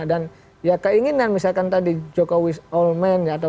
dan ya keinginan misalkan tadi jokowis all men